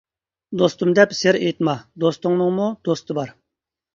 دوستۇم دەپ سىر ئېيتما، دوستۇڭنىڭمۇ دوستى بار.